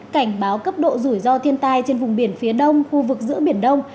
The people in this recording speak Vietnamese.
cảnh báo cấp độ rủi ro thiên tai trên vùng biển phía đông khu vực giữa biển đông